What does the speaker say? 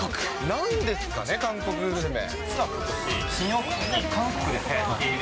なんですかね、韓国グルメ。